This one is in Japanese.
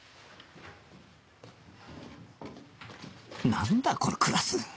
なんだこのクラス！